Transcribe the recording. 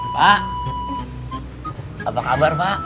pak apa kabar pak